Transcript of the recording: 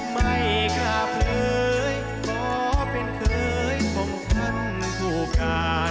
ไม่กล้าเผยขอเป็นเคยของท่านผู้การ